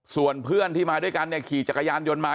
ส่วนเพื่อนที่มาด้วยกันเนี่ยขี่จักรยานยนต์มา